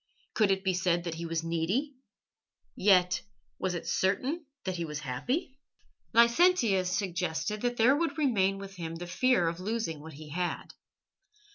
Could it be said that he was needy? Yet was it certain that he was happy? Licentius suggested that there would remain with him the fear of losing what he had.